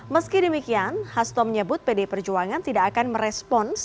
meski demikian hasto menyebut pdi perjuangan tidak akan merespons